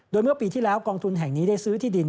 โดยเมื่อปีที่แล้วกองทุนแห่งนี้ได้ซื้อที่ดิน